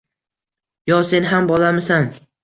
Yo sen ham bolamisan?